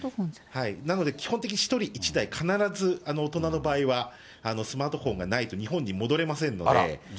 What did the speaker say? なので基本的に１人１台、必ず大人の場合は、スマートフォンがないと日本に戻れませんので。